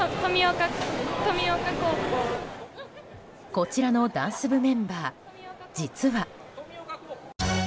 こちらのダンス部メンバー実は。